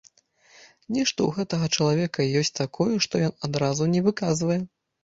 Нешта ў гэтага чалавека ёсць такое, што ён адразу не выказвае.